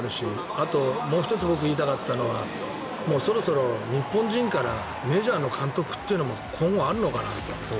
あともう１つ言いたかったのはそろそろ日本人からメジャーの監督も今後、あるのかなと。